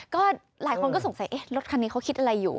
ก็หลายคนก็สงสัยรถคันนี้เขาคิดอะไรอยู่